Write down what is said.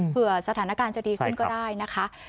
สถานการณ์จะดีขึ้นก็ได้นะคะ